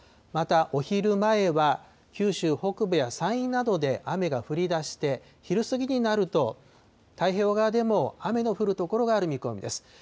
またお昼前は、九州北部や山陰などで雨が降りだして、昼過ぎになると、太平洋側でも雨の降る所がある見込みです。